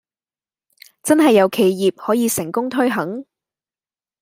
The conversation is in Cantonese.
真係有企業可以成功推行?